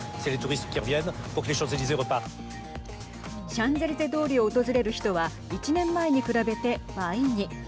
シャンゼリゼ通りを訪れる人は１年前に比べて倍に。